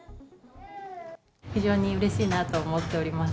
非常にうれしいなと思っております。